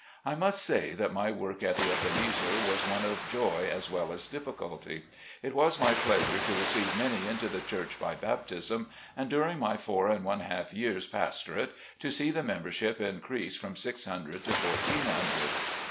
I must say that my work at the Ebenezer was one of joy as well as difficulty. It was my pleasure to receive many into the church by baptism, and dur ing my four and one half years' pastorate to see the membership increase from six hundred, to fourteen hundred.